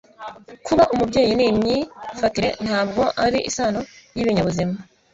kuba umubyeyi ni imyifatire, ntabwo ari isano y'ibinyabuzima